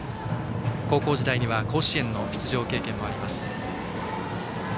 高校時代には甲子園の出場経験もあります。